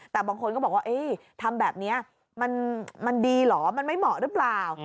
แต่บางคนก็บอกว่าทำแบบนี้มันดีเหรอมันไม่เหมาะหรือเปล่า